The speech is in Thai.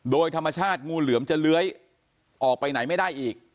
โดยธรรมชาติงูเหลือมจะเลื้อยออกไปไหนไม่ได้อีก